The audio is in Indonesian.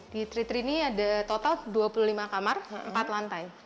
di tri treat ini ada total dua puluh lima kamar empat lantai